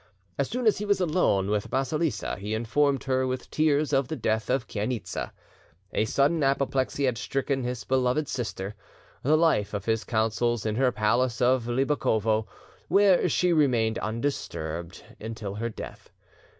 As soon as he was alone with Basilissa, he informed her with tears of the death of Chainitza. A sudden apoplexy had stricken this beloved sister, the life of his councils, in her palace of Libokovo, where she remained undisturbed until her death.